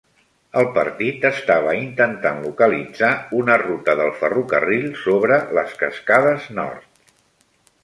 El partit estava intentant localitzar una ruta del ferrocarril sobre les cascades nord.